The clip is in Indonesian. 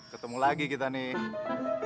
ketemu lagi kita nih